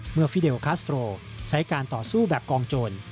ฟิเดลคัสโตรใช้การต่อสู้แบบกองโจร